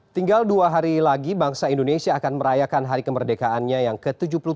tinggal dua hari lagi bangsa indonesia akan merayakan hari kemerdekaannya yang ke tujuh puluh tiga